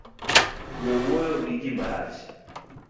We wuoyo gi ji marach